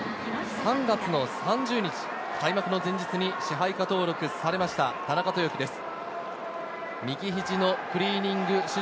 ３月の３０日、開幕の前日に支配下登録されました、田中豊樹です。